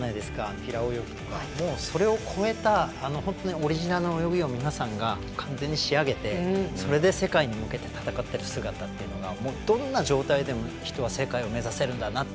平泳ぎとか、それを超えた本当にオリジナルの泳ぎを皆さんが完全に仕上げてそれで世界に向けて戦ってる姿ってどんな状態でも人は世界を目指せるんだなって。